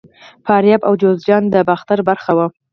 فاریاب او جوزجان د باختر برخه وو